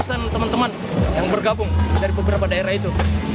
dua ratus an teman teman yang bergabung dari beberapa daerah itu